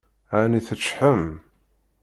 Ɛni teččḥem?